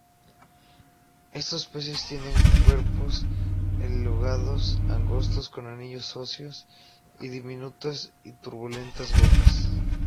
Estos peces tienen cuerpos elongados, angostos, con anillos óseos, y diminutas y tubulares bocas.